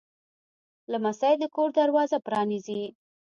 لمسی د کور دروازه پرانیزي.